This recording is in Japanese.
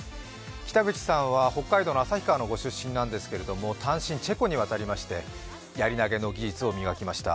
北口さんは北海道旭川の出身なんですけれども単身チェコに渡りまして、やり投げの技術を磨きました。